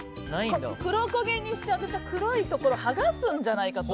黒焦げにして私は黒いところを剥がすんじゃないかと。